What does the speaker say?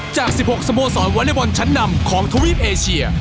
จาก๑๖สโมสรวอเล็กบอลชั้นนำของทวีปเอเชีย